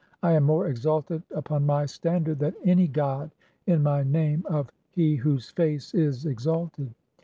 I am more exalted upon my standard (25) "than any god in my name of 'He whose face is exalted'.